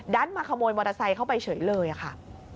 มาขโมยมอเตอร์ไซค์เข้าไปเฉยเลยค่ะ